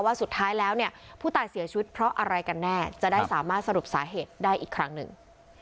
สุดท้ายแล้วเนี่ยผู้ตายเสียชีวิตเพราะอะไรกันแน่จะได้สามารถสรุปสาเหตุได้อีกครั้งหนึ่ง